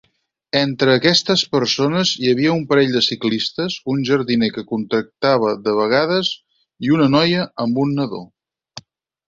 Entre aquestes persones hi havia un parell de ciclistes, un jardiner que contractava de vegades i una noia amb un nadó.